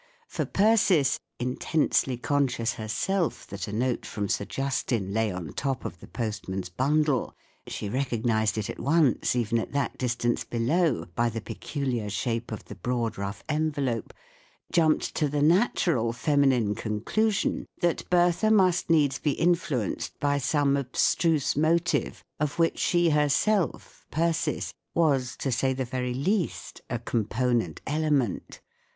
For ^Persis, in¬ tensely conscious herself that a note frbin Sir Justin lay on top of the postman's bundle—she recognised it at once, even at that dis¬ tance below, by the peculiar shape of the broad rough envelope—jumped to the natural feminine conclusion that Bertha must needs he influenced by some abstruse motive of which she herself, Persis, w T as, to say the very least, a component element.